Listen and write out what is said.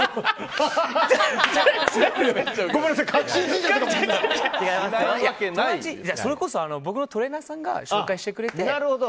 ごめんなさいそれこそ僕のトレーナーさんが紹介してくれて。